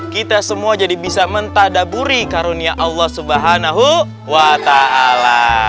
kita semua jadi bisa mentah daburi karunia allah subhanahu wa ta'ala